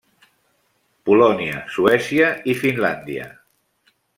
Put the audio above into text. Polònia, Suècia i Finlàndia.